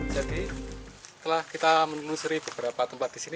jadi setelah kita menelusuri beberapa tempat di sini